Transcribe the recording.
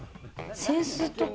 扇子とか？